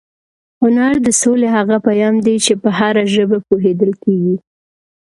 هنر د سولې هغه پیغام دی چې په هره ژبه پوهېدل کېږي.